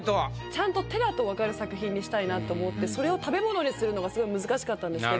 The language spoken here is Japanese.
ちゃんと手だと分かる作品にしたいなと思ってそれを食べ物にするのがすごい難しかったんですけど。